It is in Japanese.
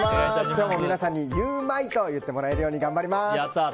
今日も皆さんにゆウマいと言ってもらえるように頑張ります。